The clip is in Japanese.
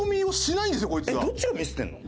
どっちがミスってるの？